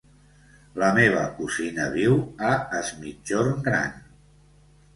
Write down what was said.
La meva cosina viu a Es Migjorn Gran.